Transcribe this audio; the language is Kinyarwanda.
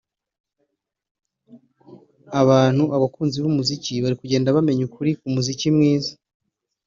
abantu(abakunzi b’umuziki) bari kugenda bamenya ukuri k’umuziki mwiza”